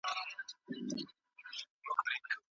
یوه ټولنه له بلې ټولنې سره توپیر لري.